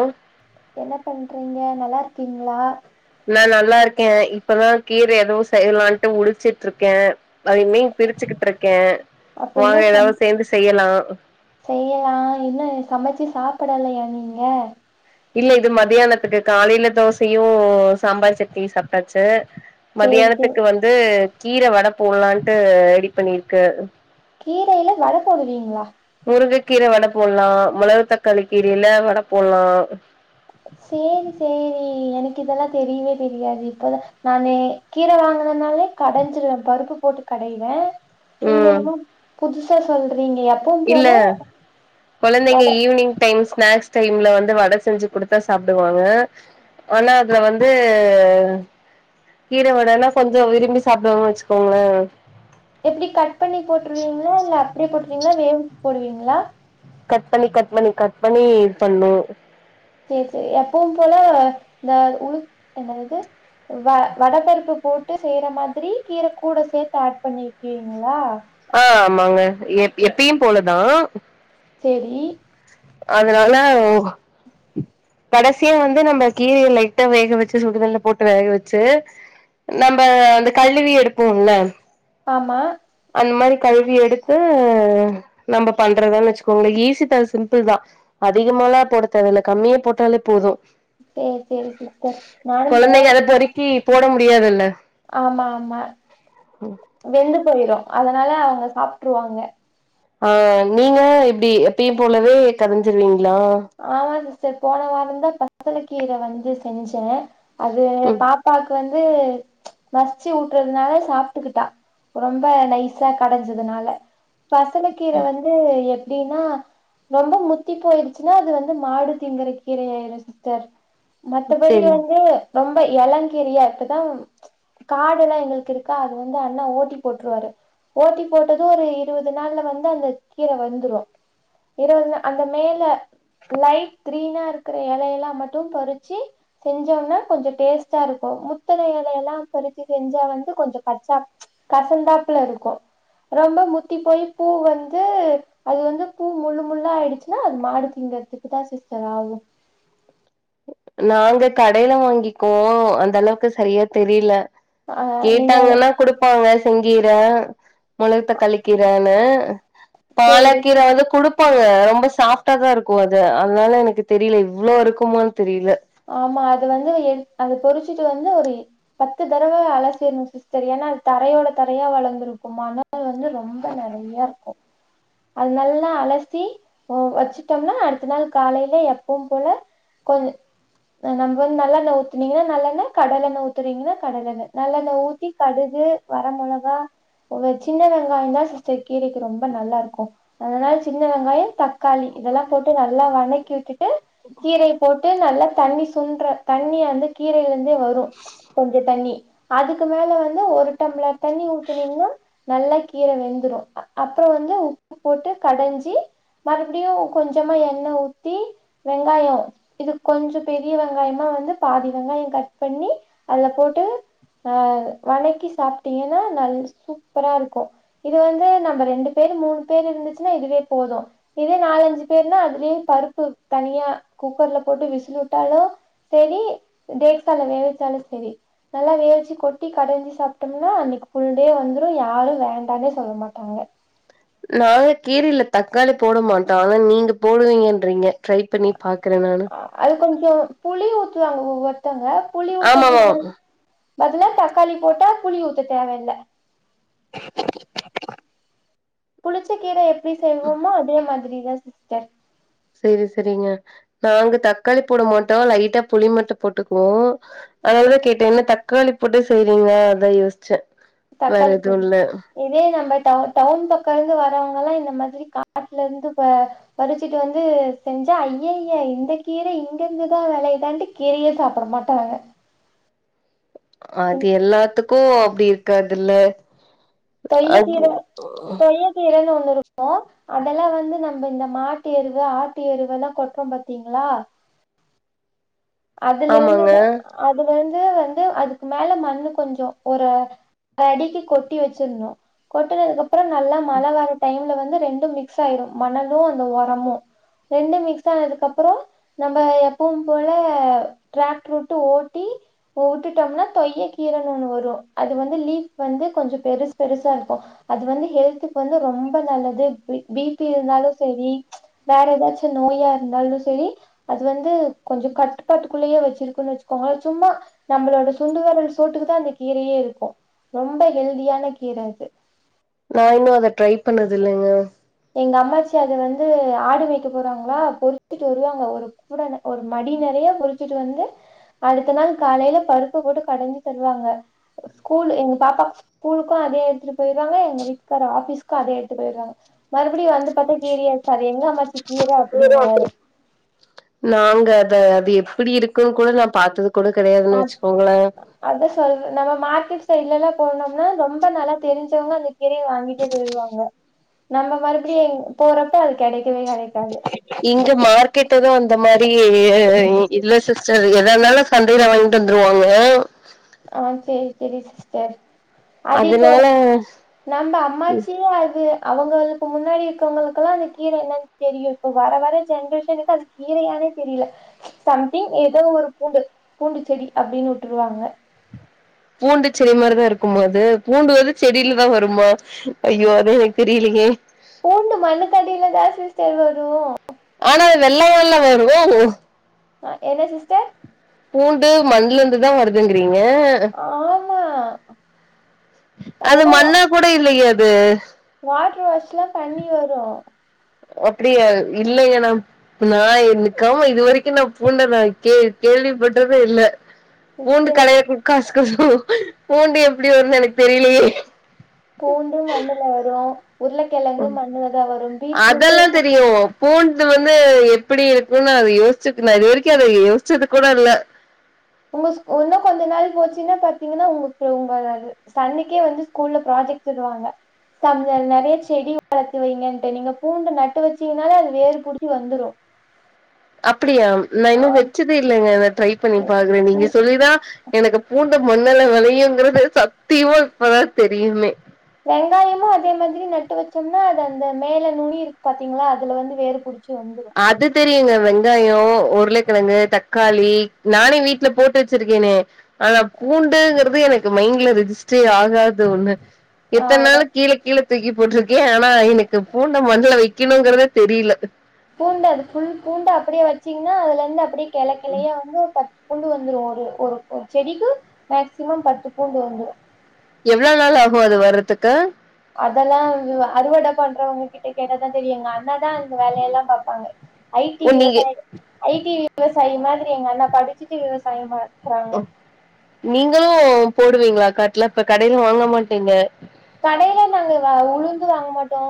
ஓ என்ன பண்றீங்க நல்லா இருக்கீங்ளா நா நல்லா இருக்கே இப்பதா கீர எதவு செய்யலாட்டு உளிச்சிட்டு இருக்கே ஐ மீன் பிரிச்சுகிட்டு இருக்கே அப்ப வாங்க எதாவது சேர்ந்து செய்யலா செய்யலா இன்னு சமச்சு சாப்படலியா நீங்க இல்ல இது மதியானத்துக்கு காலையில தோசையு சாம்பார் சட்னியு சாப்ட்டாச்சு சரி சரி மத்தியானத்துக்கு வந்து கீர வட போடலாட்டு ரெடி பண்ணிருக்கு கீரையில வட போடுவீங்ளா முருங்கக்கீர வட போட்லா மொளகு தக்காளி கீரையில வட போட்லா சேரி சேரி எனக்கு இதெல்லா தெரியவே தெரியாது இப்பதா நானே கீர வாங்குறதுனாலே கடஞ்சிருவே பருப்பு போட்டு கடைவே நீங்க ம் [unintelligible] புதுசா சொல்றீங்க எப் இல்ல கொழந்தைங்க ஈவ்னிங் டைம் ஸ்நாக்ஸ் டைம்ல வந்து வட செஞ்சு குடுத்தா சாப்டுவாங்க ஆனா அதுல வந்து கீர வடன்னா கொஞ்சோ விரும்பி சாப்டு வாங்கனு வெச்சுக்கோங்களே எப்டி கட் பண்ணி போட்டுருவீங்களா இல்ல அப்டியே போட்டுருவீங்களா வேக வெச்சு போடுவீங்களா கட் பண்ணி கட் பண்ணி கட் பண்ணி பண்ணுவோ சேர் சேரி எப்பவும் போல இந்த ஊ என்னதது வ வடபருப்பு போட்டு செய்யற மாதிரி கீர கூட சேத்து ஆட் பண்ணிக்குவீங்களா ஆ ஆமாங்க எப்பயு போலதா சேரி அதனால ஓ கடசியா வந்து நம்ம கீரைய லைட்டா வேக வெச்சு சுடுதண்ணில போட்டு வேக வெச்சு நம்ம அந்த கழுவி எடுப்போம்ல ஆமா அந்த மாரி கழுவி எடுத்து நம்ம பண்றதா வெச்சுக்கோங்களே ஈசி தா சிம்பிள் தா அதிகமாலா போட தேவ இல்ல கம்மியா போட்டாலே போது சேரி சேரி சிஸ்டர் நானு போ டீ போட முடியாதுல்ல ஆமா ஆமா வெந்து போயிரு அதனால அவங்க சாப்ட்டுருவாங்க ஆ நீங்க எப்டி எப்பயு போலவே கதஞ்சிருவீங்ளா ஆமாங்க சிஸ்டர் போன வாரந்தா [unintelligible] கீர வந்து செஞ்சே அது ம் பாப்பாக் க்கு வந்து மச்சு ஊட்டுறதுனால சாப்ட்டுக்கிட்டா ரொம்ப நைசா கடஞ்சதுனால பசல கீர வந்து எப்டின்னா ரொம்ப முத்தி போயிருச் சுனா அது வந்து மாடு திங்கிற கீர ஆயிரு சிஸ்டர் மத்தபடி செரி வந்து ரொம்ப எளங்கீரயா எடுத்திட்டா காடு எல்லா எங்களுக்கு இருக்கா அது வந்து அண்ணா ஓட்டி போட்டுருவாரு ஓட்டி போட்டது ஒரு இருவது நாள்ல வந்து அந்த கீர வந்துரு இருவது அந்த மேல லைட் க்ரீனா இருக்கிற எலையெல்லா மட்டு பறிச்சு செஞ்சோம்னா கொஞ்சோ டேஸ்ட்டா இருக்கு முத்துன எல எல்லா பரிச்சி செஞ்சா வந்து கொஞ்சோ கச்சா கசந்தாப்ல இருக்கு ரொம்ப முத்தி போயி பூ வந்து அது வந்து பூ முள்ளு முள்ளா ஆயிடுச்சுன்னா அது மாடு திங்கிறத்துக்குதா சிஸ்டர் ஆவு நாங்க கடைல வாங்கிக்குவோ அந்த அளவுக்கு சரியா தெரில ஆ நீங்க கேட்டாங்கன்னா குடுப்பாங்க செங்கீர மொழ தக்காளி கீரன்னு சேரி பாலக்கீர வந்து குடு [unintelligible] ரொம்ப சாஃப்ட்டாதா இருக்கு அது அதனால எனக்கு தெரில இவ்ளோ இருக்குமானு தெரில ஆமா அது வந்து எ அது பொறிச்சிட்டு வந்து ஒரு இ பத்து தடவ அலசிரணு சிஸ் சிஸ்டர் ஏன்னா அது தரையோட தரையா வளர்ந்திருக்கு மணல் வந்து ரொம்ப நெறையா இருக்கு அது நல்லா அலசி ஓ வெச்சுட்டம்னா அடுத்த நாள் காலைல எப்பவு போல கொஞ்ச ஆ நம்ம வந்து நல்லெண்ண ஊத்துனீங்கன்னா நல்லெண்ண கடலெண்ண ஊத்துறீங்கன்னா கடலெண்ண நல்லெண்ண ஊத்தி கடுகு வர மொளகா ஒவ்வ சின்ன வெங்காயந்தா சிஸ்டர் கீரைக்கு ரொம்ப நல்லா இருக்கு அதனால சின்ன வெங்காய தக்காளி இதெல்லா போட்டு நல்லா வணக்கி விட்டு டு கீரைய போட்டு நல்லா தண்ணி சுண்டுற தண்ணி வந்து கீரைல இருந்தே வரு கொஞ்ச தண்ணி அதுக்கு மேல வந்து ஒரு டம்ளர் தண்ணி ஊத்துனீங்கன்னா நல்லா கீரை வெந்துரு அப்றோ வந்து உப்பு போட்டு கடஞ்சி மறுபடியு கொஞ்சமா எண்ண ஊத்தி வெங்காயோ இதுக் கொஞ்சோ பெரிய வெங்காயமா வந்து பாதி வெங்காயோ கட் பண்ணி அதுல போட்டு ஆ வணக்கி சாப்ட்டீங்கன்னா நல் சூப்பரா இருக்கு இது வந்து நம்ம ரெண்டு பேர் மூணு பேர் இருந்துச்சுன்னா இதுவே போது இதே நாலஞ்சு பேருனா அதுலே பருப்பு தனியா குக்கர்ல போட்டு விசில் விட் டாலு சேரி தேக்சால வேக வெச்சாலு சேரி நல்லா வேவ்ச்சி கொட்டி கடஞ்சி சாப்பிட்டோம்னா அன்னிக்கி ஃபுல் டே வந்துரு யாரு வேண்டானே சொல்ல மாட்டாங்க நாங்க கீரைல தக்காளி போட மாட்டோ ஆனா நீங்க போடுவீங்கன்றீங்க ட்ரை பண்ணி பாக்குறே நானு அ அது கொஞ்சோ புளி ஊத்துவாங்க ஒவ்வொருத்தங்க புளி ஊத்துறதுக்கு பதி ஆமாமா பதிலா தக்காளி போட்டா புளி ஊத்த தேவ இல்ல புளிச்ச கீர எப்டி செய்வோமோ அதே மாதிரிதா சிஸ்டர் சேரி சேரிங்க நாங்க தக்காளி போட மாட்டோ லைட்டா புளி மட்டு போட்டுக்குவோ அதனாலதா கேட்டே என்ன தக்காளி போட்டே செய்றீங்க அதா யோசிச்சே வேற தக்காளி எதுவு போடுவே இல்ல இதே நம்ம டவு டவுன் பக்கோ இருந்து வரவங்கல்லா இந்த மாதிரி காட்டுல இருந்து ப பறிச்சிட்டு வந்து செஞ்சா ஐய்யய்ய இந்த கீர இங்க இருந்துதா வெளயுதாண்டு கீரயே சாப்பிட மாட்டாங்க அது எல்லாத்துக்கு அப்டி இருக்காதுல்ல [unintelligible] [unintelligible] ஒன்னு இருக்கு அதெல்லா வந்து நம்ம இந்த மாட்டு எருவு ஆட்டு எருவு எல்லா கொட்டுறோ பாத்தீங்களா அதுல ஆமாங்க இருந்துதா அதுல இருந்து வந்து அதுக்கு மேல மண்ணு கொஞ்சோ ஒரு அடுக்கி கொட்டி வெச்சிர்னு கொட்டனதுக்கப்றோ நல்லா மழ வர டைம்ல வந்து ரெண்டு மிக் சாயிரு மணலு அந்த ஒரமு ரெண்டு மிக்ஸ் ஆனதுக்கு அப்றோ நம்ம எப்பவு போல ல டிராக்டர் வுட்டு ஓட்டி விட்டுட்டோம்னா தொய்யல் கீரைன்னு ஒன்னு வரு அது வந்து லீஃப் வந்து கொஞ்சோ பெருச பெருசா இருக்கு அது வந்து ஹெல்த்துக்கு வந்து ரொம்ப நல்லது பி பி இருந்தாலு செரி வேற எதாச்சு நோயா இருந்தாலு செரி அது வந்து கொஞ்சோ கட் கட்டத்துக்குள்ளேயே வெச்சிருக்குன்னு வெச்சுக்கோங்களே சும்மா நம்மளோட சுண்டு வெரல் சோட்டுக்குதா அந்த கீரையே இருக்கு ரொம்ப ஹெல்தியான கீர அது நா இன்னு அத ட்ரை பண்ணதில்லிங்க எங்க அம்மாச்சி அது வந்து ஆடு மேய்க்க போவாங்களா பொறுச்சுட்டு வருவாங்க ஒரு ஒரு மடி நெறையா பொறிச்சிட்டு வந்து அடுத்த நாள் காலையில பருப்பு போட்டு கடஞ்சி தருவாங்க ஸ்கூல் எங்க பாப்பா ஸ்கூலுக்கு அதே எடுத்துட்டு போய்ருவாங்க எங்க வீட்டுக்கார் ஆபிஸ்க்கு அதே எடுத்து போய்ருவாங்க மறுபடியு வந்து பாத்தா கீரயா இருக்கு எங்க அம்மாச்சி கீர அப்டின்னுவாரு நாங்க அத அது எப்டி இருக்குன்னு கூட நா பாத்தது கூட கெடையாதுன்னு வெச்சுக்கோங்களே அதா சொல்ற நம்ம மார்க்கெட் சைட்ல எல்லா போனோம்னா ரொம்ப நல்லா தெரிஞ்வங்க கீரையு வாங்கிட்டே போய்ருவாங்க நம்ம மறுபடியு போறப்ப கெடைக்கவே கெடைக்காது இங்க மார்க்கெட் எது அந்த மாரி இல்ல சிஸ்டர் எதான்னாலு சந்தைல வாங்கிட்டு வந்துருவாங்க ஆ சேரி சேரி சிஸ்டர் அது இப்போ அதனால நம்ம அம்மாச்சியே அது அவங்களுக்கு முன்னாடி இருக்கிறவங்களுக்கெல்லா அந்த கீர என் தெரியு இப்போ வர வர ஜென்ரேஷனுக்கு அது கீரயானே தெரில சம்திங் ஏதோ ஒரு பூண்டு பூண்டு செடி அப்டின்னு உட்ருவாங்க பூண்டு செடி மாரிதா இருக்குமா அது பூண்டு வந்து செடிலதா வருமா? ஐயோ அதே எனக்கு தெரியலீங்கே பூண்டு மண்ணுக்கடில தா சிஸ்டர் வரு ஆனா வெள்ளையால வரு என்ன சிஸ்டர்? பூண்டு மண்ல இருந்துதா வருதுங்கிறீங்க ஆமா அது அதெல்லா வா மண்ணா கூட இல்லயே அது வாட்டர் வாஷ்லா பண்ணி வரு அப்டியா இல்லையே நாம் நா எனக்காம இதுவரைக்கு நா பூண்ட நா கே கேள்வி பட்டதே இல்ல பூண்டு சிஸ்டர் கடைய காசு [unintelligible] பூண்டு எப்டி வருனு எனக்கு தெரியலியே பூண்டு மண்ணுல வரு உருளக்கெழங்கு மண்ணுலதா வரு பீட்ரூட்டு அதெல்லா தெரியு பூண்டு வந்து எப்டி இருக்குனு நா அது யோசிச்சு நா இதுவரைக்கு அது யோசிச்சது கூட இல்ல உங்கஸ் உன்னு கொஞ்ச நேர் போச்சின்னா பாத்தீங்கன்னா உங்ளுக்கு உங்களது சன்னுக்கே வந்து ஸ்கூல்ல ப்ராஜெக்ட் தருவாங்க சன்லல் நறைய செடி வளத்து வைங்கன்ட்டு நீங்க பூண்டு நட்டு வச்சீங்கனாலே அது வேறு புடிச்சி வந்துரு அப்படியாம் நா இன்னு வெச்சதே இல்லங்க அதா ட்ரை பண்ணி பாக்றே நீங்க ம் சொல்லிதா எனக்கு பூண்ட மண்ணுல வெளையுங்கறதே சத்தியமா இப்பதா தெரியுமே வெங்காய்மு அதே மாதிரி நட்டு வச்சோம்னா அது அந்த மேல நுனி இருக் பாத்தீங்களா அதுல வந்து வேர் புடிச்சி வந்துரு அது தெரியுங்க வெங்காயோ உருளைக்கிழங்கு தக்காளி நானே வீட்ல போட்டு ச்சிரிக்கேனே அதான் பூண்டுங்கற்து எனக்கு மைண்ட்ல ரிஜிஸ்டே ஆகாது ஒண்ணு ஆ எத்தன் அத நாளு கீழ கீழ தூக்கி போட்ருக்கே ஆனா எனக்கு பூண்ட மண்ல வக்கிணுங்கற்தே தெரில பூண்டு அது ஃபுல் பூண்டு அப்படியே வச்சீங்னா அதுல இந்து அப்டியே கெள கெளையா வந்து பத் பூண்டு வந்துரு ஒரு ஒருக்கு செடிக்கு மேக்சிமம் பத்து பூண்டு வந்துரு எவ்ளோ நாள் ஆகு அது வர்றத்துக்கு அதெல்லா துவ அறுவட பண்றவங்க கிட்ட கேட்டாதா தெரியு எங் அண்ணாதா இந்த வேலையெல்லா பாப்பாங்க ஐ டி ஓ நீங்க விவசாயி ஐ டி விவசாயி மாதிரி எங்க அண்ணா படிச்சுட்டு விவசாயம் பாக் றாங்க நீங்களு போடுவீங்ளா காட்ல இப்ப கடைல வாங்க மாட்டீங்க கடைல நாங்க வா உளுந்து வாங்க மாட்டோ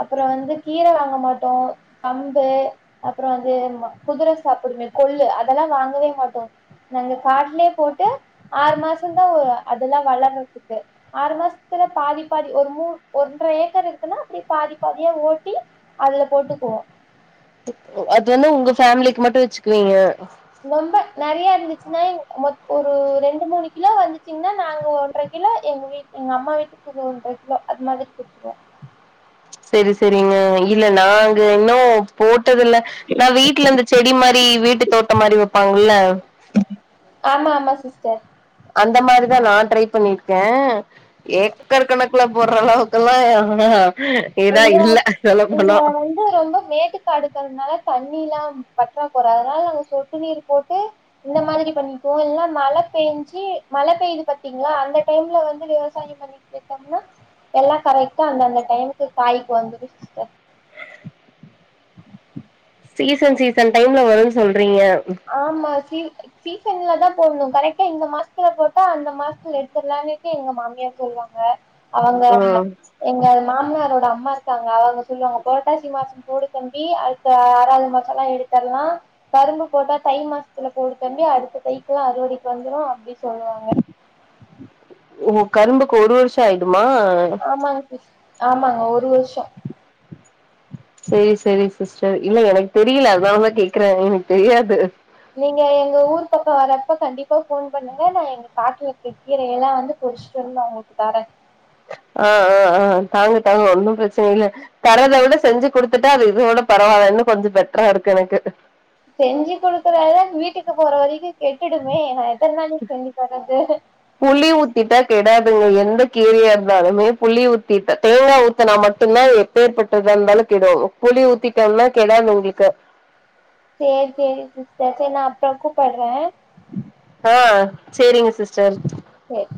அப்புற வந்து கீர வாங்க மாட்டோ கம்பு அப்ற வந்து ஏனுமோ குதிர சாப்டுமே கொள்ளு அதல்லா வாங்கவே மாட்டோ நாங்க காட்லே போட்டு ஆறு மாசன்தா ஒ அதல்லா வளர்ரத்துக்கு ஆறு மாஸ்த்துல பாதி பாதி ஒரு மூ ஒன்ற ஏக்கர் இருக்குன்னா அப்டே பாதி பாதியா ஓட்டி அதுல போட்டுக்குவோ துத் ஒ அது வந்து உங்க ஃபேமிலிக் மட்டு வச்க்வீங்க ரொம்ப நெறையா இருந்துச்சுன்னாய் மொத் ஒரு ரெண்டு மூணு கிலோ வந்துச்சிங்னா நாங்க ஒன்ற கிலோ எங்க வீட் எங்க அம்மா வீட்டுக்கு ரெண்ட்ற கிலோ அது மாதிரி குத்ருவ செரி செரிங்க இல்ல நாங்க இன்னோ போட்டதுல்ல நா வீட்ல இந்த செடி மாரி வீட்டு தோட்டம் மாரி வெப்பாங் இல்ல ஆமா ஆமா சிஸ்டர் அந்த மாரிதா நா ட்ரை பண்ணிர்க்க ஏக்கர் கணக்குல போற் றளவுக்குல்லா எஹ் ஹா இதா இல்ல சொல்ல பொனோ ஹு ரொம்ப மேட்டுக்காடுக்கறனால தண்ணில்லா பற்றா கொற அனால் நாங்க சொட்டு நீர் போட்டு இந்த மாதிரி பண்ணிக்கோ இல்ல மழ பெஞ்சி மழ பெய்து பாத்தீங்ளா அந்த டைம்ல வந்து விவசாயம் பண் [inaudible] எல்லா கரெக்ட்டா அந்தந்த டைம்க்கு காய்க் வந்துடு சிஸ்டர் சீசன் சீசன் டைம்ல வரு சொல்றீங்க ஆம் மாசி சீசன்ல தா போட்னு கரெக்ட்டா இந்த மாஸ்த்துல போட்டா அந்த மாஸ்த்துல எடுத்துர்லான்னிட்டு எங்க மாமியார் சொல்வாங்க அவங்கம்மா ம். எங்க மாம்னாரோட அம்மா இருக்காங்க அவங்க சொல்வாங்க பொரட்டாசி மாசோ போடு தம்பி அடுத்து ஆறாது மாசலா எடுத்தர்லா கரும்பு போட்டா தை மாஸ்த்துல போடு தம்பி அடுத்த தைக்குல்லா அறுவடைக் வந்துரு அப்டி சொல்வாங்க ஒ ஹோ கரும்புக்கு ஒரு வர்ஷோ ஆய்டுமா ஆமாங்க சிஸ் ஆமாங்க ஒரு வர்ஷோ சேர் செரி சிஸ்டர் இல்ல எனக் தெரியல அத்னாலதா கேக்ற எனக் தெரியாது நீங்க எங்க ஊர் பக்கோ வர்றப்ப கண்டிப்பா ஃபோன் பண்ணுங்க நா எங்க காட்லக்குர் கீர எல்லா வந்து கொஷ்டுன்னா உக்குள்க்கு தாரே அ அ அ தாங்க தாங்க ஒன்னு பிரச்சனை இல்ல தரதவுட செஞ்சு குடுத்துட்டா அது இதோட பரவால்லன்னு கொஞ்சொ பெட்ரா இருக்கு எனக்கு செஞ்சு குடுக்குற த வீட்டுக்கு போற வரைக்கு கெட்டுடுமே நா எத்தன் நாலு செஞ்சு தர்றது புளி ஊத்திட்டா கெடாதுங்க எந்த கீரயா இர்ந்தாலுமே புளி ஊத்திட்ட தேங்கா ஊத் துனா மட்டுந்தா எப்பேர் பட்டதா இர்ந்தாலு கெடு புளி ஊத்திடம்னா கெடாது உங்ளுக்கு சேர் சேரி சிஸ்டர் செர் நா அப்ற கூப்பட்ற ஆ சேரிங்க சிஸ்டர் சேர்